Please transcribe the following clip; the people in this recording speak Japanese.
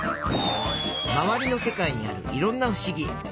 まわりの世界にあるいろんなふしぎ。